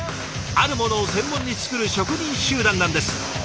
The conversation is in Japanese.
あるものを専門に作る職人集団なんです。